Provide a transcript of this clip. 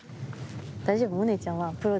大丈夫。